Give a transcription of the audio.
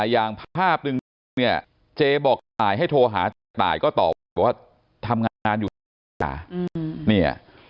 อย่างภาพที่เจ้าบอกตายให้โทรหาตายก็ตอบว่าทำงานอยู่เที่ยว